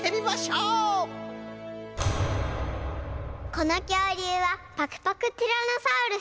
このきょうりゅうはパクパクティラノサウルス。